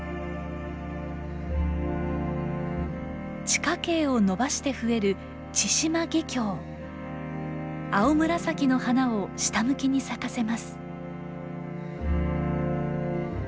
地下茎を伸ばして増える青紫の花を下向きに咲かせます。